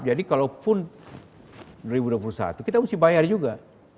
jadi kalaupun dua ribu dua puluh satu kita mesti bayar juga